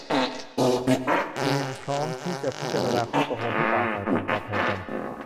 จีนพร้อมที่จะพิจารณาข้อตกลงที่ต่างฝ่ายต่างตอบแทนกัน